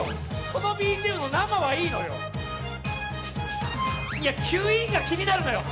このＢＧＭの生はいいのよいやキュイーンが気になるのよ